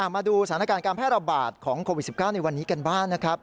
มาดูสถานการณ์การแพร่ระบาดของโควิด๑๙ในวันนี้กันบ้างนะครับ